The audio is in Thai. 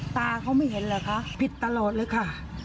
ตาเขาไม่เห็นเหรอคะผิดตลอดเลยค่ะ